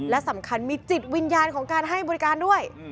และสำคัญมีจิตวิญญาณของการให้บริการด้วย